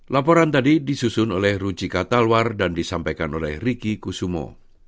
laporan tadi disusun oleh rujika talwar dan disampaikan oleh riki kusumo